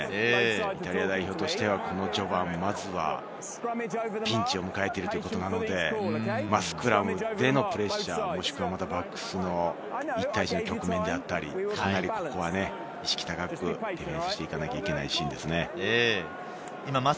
イタリア代表としては、序盤、まずはピンチを迎えているので、スクラムでのプレッシャー、もしくはバックスの１対１の局面であったり、意識を高く、対峙していかなければいけないシーンですね。